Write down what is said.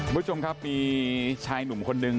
มุยชมครับมีชายหนุ่มคนหนึ่ง